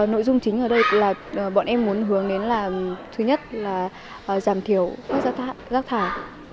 nội dung chính ở đây là bọn em muốn hướng đến là thứ nhất là giảm thiểu rác thải rác thải